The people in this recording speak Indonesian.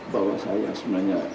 bahwa saya sebenarnya